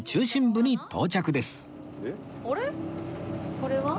これは？